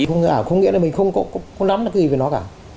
không nghĩa là mình không có lắm cái gì về nó cả